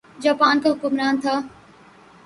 Japan کا حکمران تھا۔